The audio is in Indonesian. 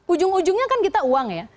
ujung ujungnya kan kita uang ya